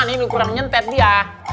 ini kurang nyentet dia